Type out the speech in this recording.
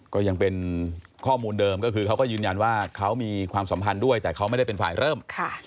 ก็ยังเป็นข้อมูลเดิมก็คือเขาก็ยืนยันว่าเขามีความสัมพันธ์ด้วยแต่เขาไม่ได้เป็นฝ่ายเริ่ม